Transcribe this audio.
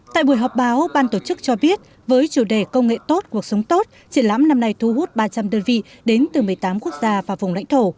tại buổi họp báo ban tổ chức cho biết với chủ đề công nghệ tốt cuộc sống tốt triển lãm năm nay thu hút ba trăm linh đơn vị đến từ một mươi tám quốc gia và vùng lãnh thổ